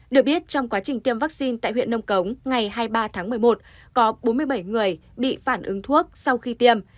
được biết trong quá trình tiêm vaccine tại huyện nông cống ngày hai mươi ba tháng một mươi một có bốn mươi bảy người bị phản ứng thuốc sau khi tiêm